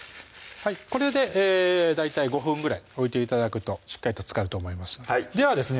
これで大体５分ぐらい置いて頂くとしっかりと漬かると思いますのでではですね